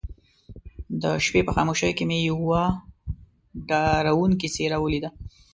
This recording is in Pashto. د شپې په خاموشۍ کې مې يوه ډارونکې څېره وليده.